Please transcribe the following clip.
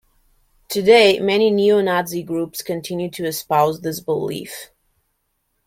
Today, many neo-Nazi groups continue to espouse this belief.